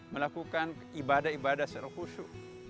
melakukan ibadah ibadah secara khusyuk